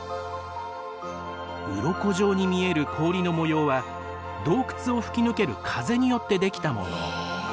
うろこ状に見える氷の模様は洞窟を吹き抜ける風によってできたもの。